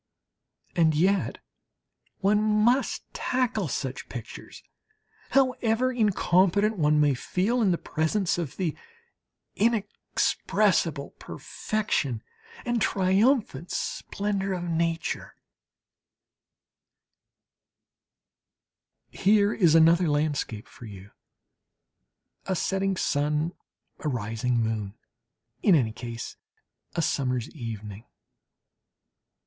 And yet one must tackle such pictures, however incompetent one may feel in the presence of the inexpressible perfection and triumphant splendour of nature. Here is another landscape for you! A setting sun, a rising moon? In any case, a summer's evening.